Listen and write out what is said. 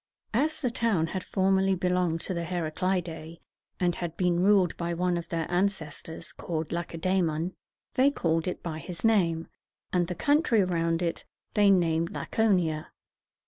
As the town had formerly belonged to the Heraclidæ, and had been ruled by one of their ancestors, called Lac e dæ´mon, they called it by his name, and the country around it they named La co´ni a.